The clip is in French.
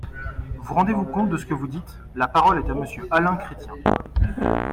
Vous rendez-vous compte de ce que vous dites ? La parole est à Monsieur Alain Chrétien.